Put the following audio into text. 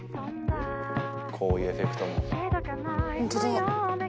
こういうエフェクトも。ホントだ。